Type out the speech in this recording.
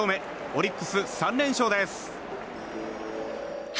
オリックス３連勝です。